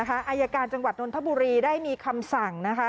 อายการจังหวัดนนทบุรีได้มีคำสั่งนะคะ